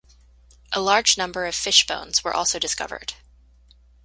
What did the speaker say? A large number of fish bones were also discovered.